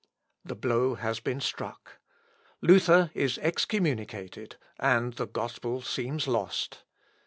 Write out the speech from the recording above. The blow has been struck. Luther is excommunicated, and the gospel seems lost.